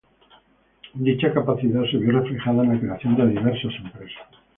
Dicha capacidad se vio reflejada en la creación de diversas empresas.